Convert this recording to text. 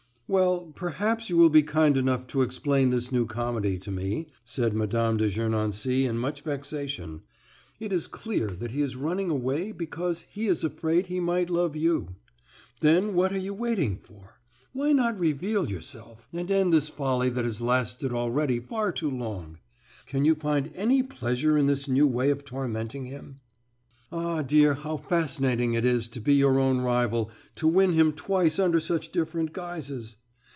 "Well, perhaps you will be kind enough to explain this new comedy to me," said Mme. de Gernancé in much vexation. "It is clear that he is running away because he is afraid he might love you. Then what are you waiting for? Why not reveal yourself, and end this folly that has lasted already far too long? Can you find any pleasure in this new way of tormenting him?" "Ah, dear, how fascinating it is to be your own rival, to win him twice under such different guises!